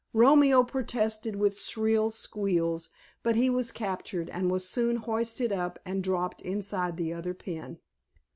Romeo protested with shrill squeals, but he was captured, and was soon hoisted up and dropped inside the other pen.